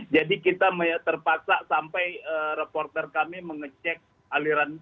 jadi kita terpaksa sampai reporter kami mengecek aliran